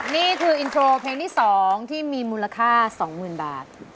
นี่คืออินโทรเพลงที่๒ที่มีมูลค่า๒๐๐๐บาท